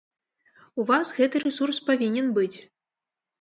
У вас гэты рэсурс павінен быць!